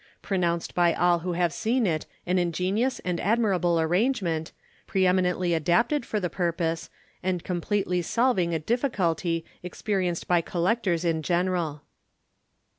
Pronounced by all who have seen it an ingenious and admirable arrangement, pre eminently adapted for the purpose, and completely solving a difficulty experienced by collectors in general.